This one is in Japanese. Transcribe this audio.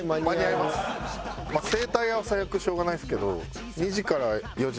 まあ整体は最悪しょうがないんですけど。